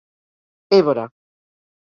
Évora.